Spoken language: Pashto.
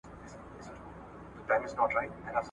له ماښامه تر سهاره یې غپله ..